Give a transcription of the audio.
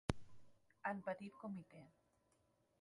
En petit comitè.